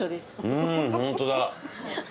うんホントだ。